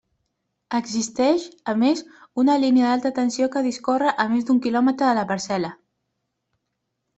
Existeix, a més, una línia d'alta tensió que discorre a més d'un quilòmetre de la parcel·la.